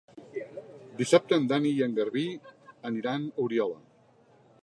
Dissabte en Dan i en Garbí aniran a Oriola.